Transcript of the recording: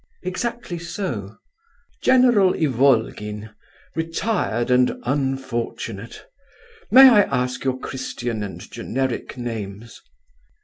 "Exactly so." "General Ivolgin—retired and unfortunate. May I ask your Christian and generic names?"